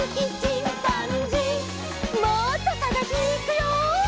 もっとさがしにいくよ。